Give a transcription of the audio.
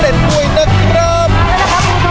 ภายในเวลา๓นาที